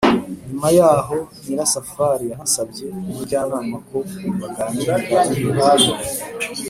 nyuma yaho nyirasafari yasabye umujyanama ko baganira biherereye ;